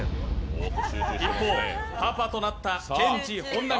一方、パパとなったケンジ・ホンナミ。